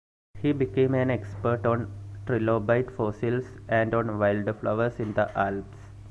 He became an expert on trilobite fossils and on wildflowers in the Alps.